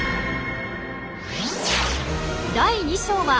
第２章は。